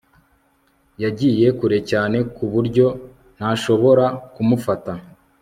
Yagiye kure cyane ku buryo ntashobora kumufata